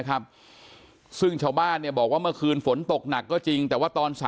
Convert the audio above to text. ครับซึ่งชาวบ้านเนี่ยบอกว่าเมื่อคืนฝนตกหนักก็จริงแต่ว่าตอน๓